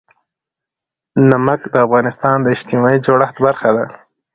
نمک د افغانستان د اجتماعي جوړښت برخه ده.